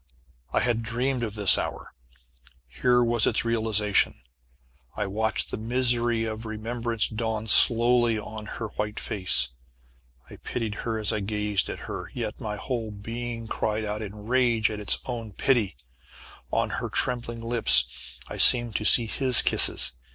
I had dreamed of this hour. Here was its realization. I watched the misery of remembrance dawn slowly on her white face. I pitied her as I gazed at her, yet my whole being cried out in rage at its own pity. On her trembling lips I seemed to see his kisses.